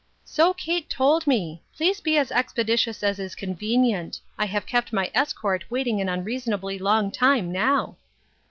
" So Kate told me. Please be as expeditious as is convenient ; I have kept my escort waiting an unreasonably long time now."